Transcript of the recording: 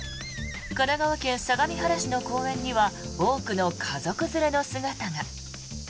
神奈川県相模原市の公園には多くの家族連れの姿が。